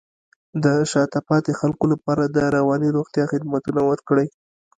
د شاته پاتې خلکو لپاره د رواني روغتیا خدمتونه ورکړئ.